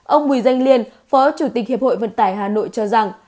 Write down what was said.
ông bùi danh liên phó chủ tịch hiệp hội vận tải hà nội cho rằng